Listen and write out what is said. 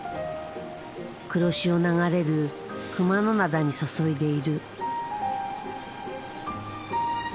黒潮流れる熊野灘に注いでいる。